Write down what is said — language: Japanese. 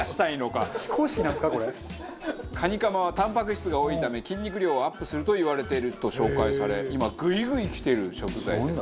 「カニカマはタンパク質が多いため筋肉量をアップするといわれている」と紹介され今グイグイきている食材です。